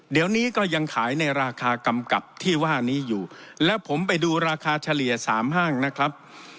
เดี๋ยวนี้ก็ยังขายในราคากำกับที่ว่านี้อยู่แล้วผมไปดูราคาเฉลี่ยสามห้างนะครับ